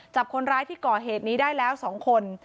จับคนร้ายที่ก่อเหตุนี้ได้แล้ว๒คน